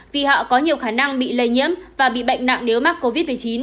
vì họ có nhiều khả năng bị lây nhiễm và bị bệnh nặng nếu mắc covid một mươi chín